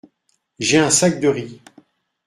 J’ai un sac de riz.